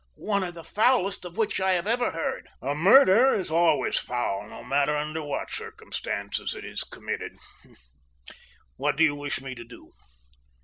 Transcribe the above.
"One of the foulest of which I have ever heard." "A murder is always foul, no matter under what circumstances it is committed. What do you wish me to do?"